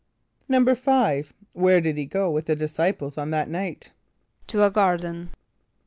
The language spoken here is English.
= =5.= Where did he go with the disciples on that night? =To a garden.